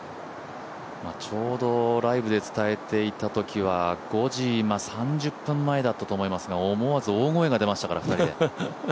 ちょうどライブで伝えていたときは５時３０分前だったと思いますが、思わず大声が出ましたから、２人で。